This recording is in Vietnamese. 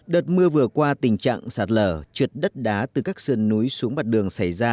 đợt mưa vừa qua tình trạng sạt lở trượt đất đá từ các sườn núi xuống mặt đường xảy ra